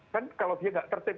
kan kalau dia gak tertib